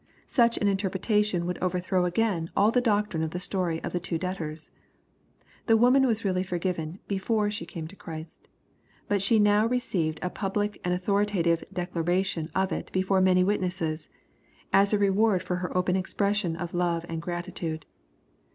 Such an interpretation would overthrow again all the doctrine of the story of the two debtors. The woman was really forgiven "before she came to Christ But she now received a public and authoritative declaration of it before many witnesses, as a revrard for her open expression of love and gratitude.